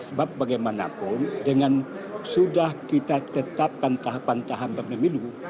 sebab bagaimanapun dengan sudah kita tetapkan tahapan tahapan pemilu